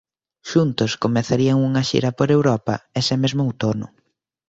Xuntos comezarían unha xira por Europa ese mesmo outono.